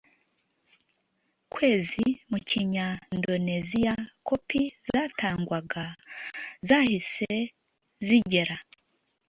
kwezi mu kinyandoneziya Kopi zatangwaga zahise zigera